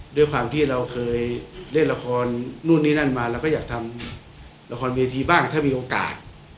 ด้วยความที่เราเคยเล่นละครนู่นนี่นั่นมาเราก็อยากทำละครเวทีบ้างถ้ามีโอกาส